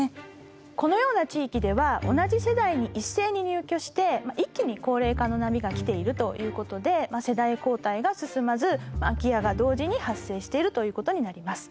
このような地域では同じ世代に一斉に入居して一気に高齢化の波が来ているということで世代交代が進まず空き家が同時に発生しているということになります。